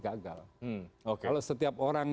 gagal kalau setiap orang